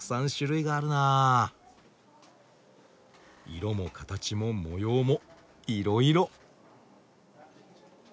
色も形も模様もいろいろ。